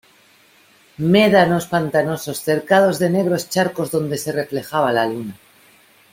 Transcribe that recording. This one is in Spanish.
médanos pantanosos cercados de negros charcos donde se reflejaba la luna